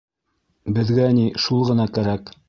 Беҙгә ни шул ғына кәрәк.